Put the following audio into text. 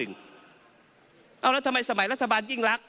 เอาแล้วทำไมสมัยรัฐบาลยิ่งรัก